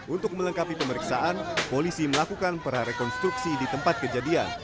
untuk melengkapi pemeriksaan polisi melakukan prarekonstruksi di tempat kejadian